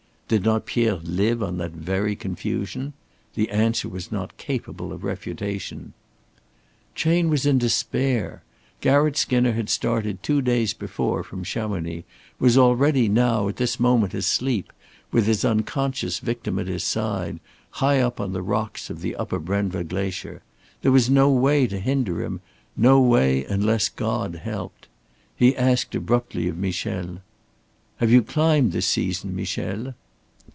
Did not Pierre live on that very confusion? The answer was not capable of refutation. Chayne was in despair. Garratt Skinner had started two days before from Chamonix, was already, now, at this moment, asleep, with his unconscious victim at his side, high up on the rocks of the upper Brenva glacier. There was no way to hinder him no way unless God helped. He asked abruptly of Michel: "Have you climbed this season, Michel?"